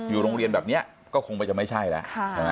โรงเรียนแบบนี้ก็คงจะไม่ใช่แล้ว